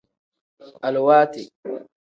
Aluwaatiwa.